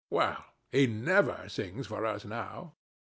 Well, he never sings for us now.